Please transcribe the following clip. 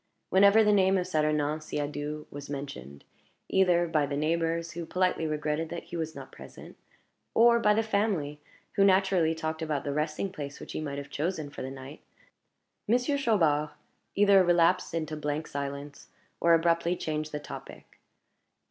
Whenever the name of Saturnin Siadoux was mentioned either by the neighbors, who politely regretted that he was not present, or by the family, who naturally talked about the resting place which he might have chosen for the night Monsieur Chaubard either relapsed into blank silence, or abruptly changed the topic.